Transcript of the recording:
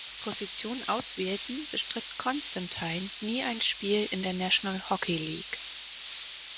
Position auswählten, bestritt Constantine nie ein Spiel in der National Hockey League.